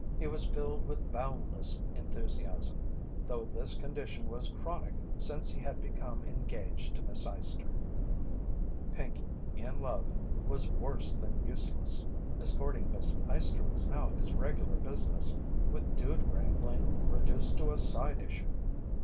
He was filled with boundless enthusiasm; though this condition was chronic since he had become engaged to Miss Eyester. Pinkey, in love, was worse than useless. Escorting Miss Eyester was now his regular business, with dude wrangling reduced to a side issue.